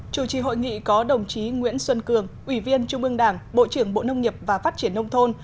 chủ trì hội nghị có đồng chí nguyễn xuân cường ủy viên trung ương đảng bộ trưởng bộ nông nghiệp và phát triển nông thôn